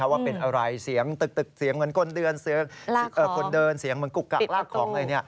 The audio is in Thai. ว่าเป็นอะไรเสียงตึกเสียงเหมือนคนเดินคนเดินเสียงเหมือนกุกกักลากของอะไร